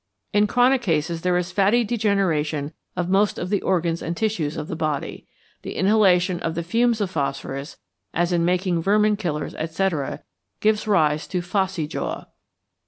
In chronic cases there is fatty degeneration of most of the organs and tissues of the body. The inhalation of the fumes of phosphorus, as in making vermin killers, etc., gives rise to 'phossy jaw.'